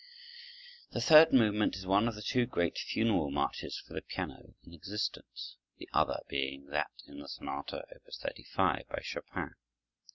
The third movement is one of the two great funeral marches for the piano in existence, the other being that in the sonata, Op. 35, by Chopin.